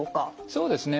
そうですね